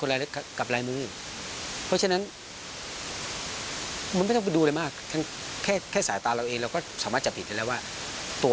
ลายมือมันมีความชัดเจนว่า